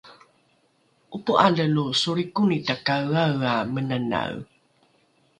’opo’ale lo solrikoni takaeaea menanae